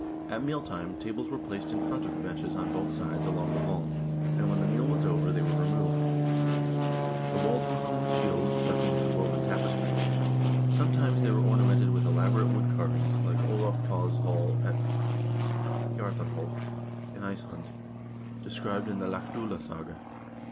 At mealtime tables were placed in front of the benches on both sides along the hall, and when the meal was over, they were removed. The walls were hung with shields, weapons, and woven tapestries. Sometimes they were ornamented with elaborate woodcarvings, like Olav Paa's hall at Hjaroarholt in Iceland, described in the "Laxd0lasaga."